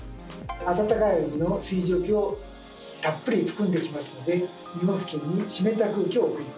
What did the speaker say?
あたたかい海の水蒸気をたっぷり含んできますので日本付近に湿った空気を送り込みます。